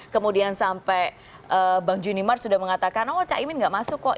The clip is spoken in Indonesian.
kemudian sampai bang junimar sudah mengatakan oh cak imin tidak masuk kok